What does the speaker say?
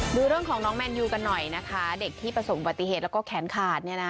ดูเรื่องของน้องแมนยูกันหน่อยนะคะเด็กที่ประสบปฏิเหตุแล้วก็แขนขาดเนี่ยนะ